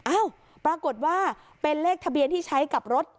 อ้าวปรากฏว่าเป็นเลขทะเบียนที่ใช้กับรถ